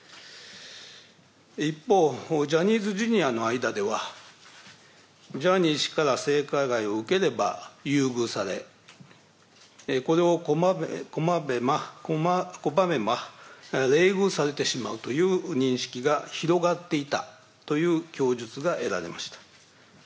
一方、ジャニーズＪｒ．の間では、ジャニー氏から性加害を受ければ優遇され、これを拒めば冷遇されてしまうという認識が広がっていたという供述が得られました。